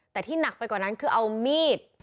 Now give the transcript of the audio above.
แต่ที่หนักไปกว่านั้นคือเอามีด